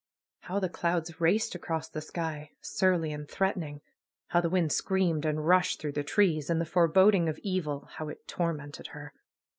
How the clouds raced across the sky! Surly and threatening! How the wind screamed and rushed through the trees ! And the foreboding of evil, how it tormented her